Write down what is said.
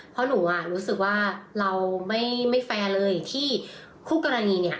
เพราะหนูอ่ะรู้สึกว่าเราไม่แฟร์เลยที่คู่กรณีเนี่ย